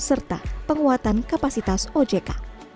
serta penguatan kapasitas ojk